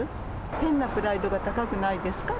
変なプライドが高くないですか？